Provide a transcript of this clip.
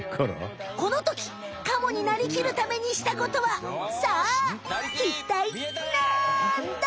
このときカモになりきるためにしたことはさあいったいなんだ？